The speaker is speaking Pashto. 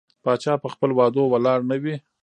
پاچا په خپل وعدو ولاړ نه وي.